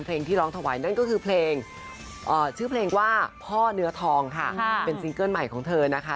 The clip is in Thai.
เพลงที่ร้องถวายนั่นก็คือเพลงชื่อเพลงว่าพ่อเนื้อทองค่ะเป็นซิงเกิ้ลใหม่ของเธอนะคะ